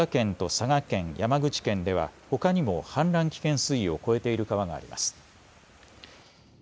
また福岡県と佐賀県、山口県ではほかにも氾濫危険水位を超えている川があります。